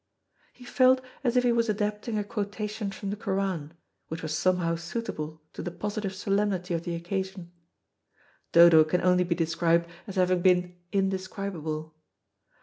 He felt as if he was adapting a quotation from the Koran, which was somehow suitable to the positive solemnity of the occasion. Dodo can only be described as having been indescribable.